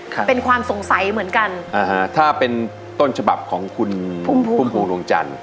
ครับเป็นความสงสัยเหมือนกันอ่าฮะถ้าเป็นต้นฉบับของคุณพุ่มพวงดวงจันทร์